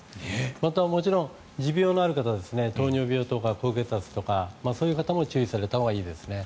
また、もちろん持病のある方糖尿病とか高血圧とかそういう方も注意されたほうがいいですね。